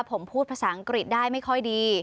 ผมพูดภาษาอังกฤษได้ไม่ค่อยดี